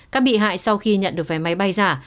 các bị hại sau khi nhận được vé máy bay giả